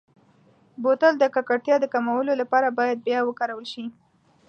بوتل د ککړتیا د کمولو لپاره باید بیا وکارول شي.